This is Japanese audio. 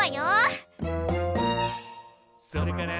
「それから」